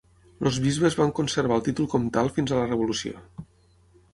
Els bisbes van conservar el títol comtal fins a la revolució.